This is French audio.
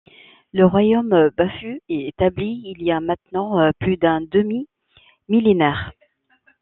Le royaume Bafut est établi il y a maintenant plus d'un demi millénaire.